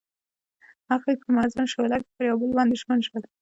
هغوی په موزون شعله کې پر بل باندې ژمن شول.